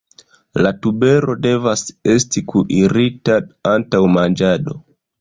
La tubero devas esti kuirita antaŭ manĝado.